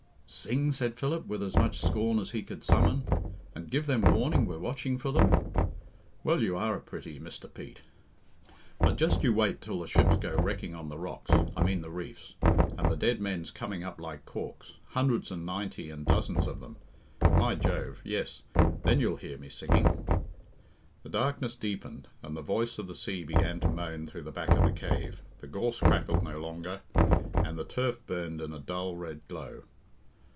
"Sing!" said Philip, with as much scorn as he could summon, "and give them warning we're watching for them! Well, you are a pretty, Mr. Pete! But just you wait till the ships goes wrecking on the rocks I mean the reefs and the dead men's coming up like corks hundreds and ninety and dozens of them; my jove! yes, then you'll hear me singing." The darkness deepened, and the voice of the sea began to moan through the back of the cave, the gorse crackled no longer, and the turf burned in a dull red glow.